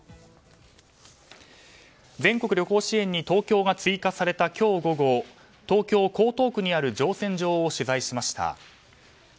全国旅行支援に東京が追加された今日午後東京・江東区にある乗船所を取材しました。